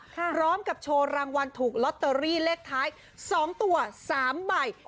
พร้อมกับโชว์รางวัลถูกลอตเตอรี่เลขท้าย๒ตัว๓ใบ